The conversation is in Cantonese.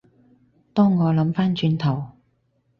當我諗返轉頭